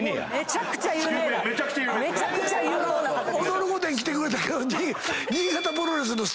『踊る御殿』来てくれたけど。